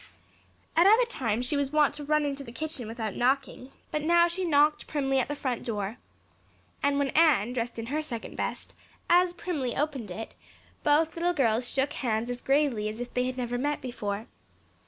At other times she was wont to run into the kitchen without knocking; but now she knocked primly at the front door. And when Anne, dressed in her second best, as primly opened it, both little girls shook hands as gravely as if they had never met before.